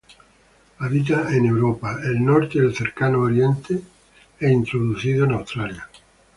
Habita en Europa, el norte del Oriente Próximo e introducido en Australia.